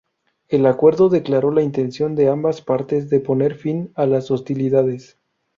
El acuerdo declaró la intención de ambas partes de poner fin a las hostilidades.